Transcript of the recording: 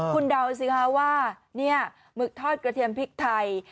คุณเดาสิคะว่านี่หมึกทอดกระเทียมพริกไทย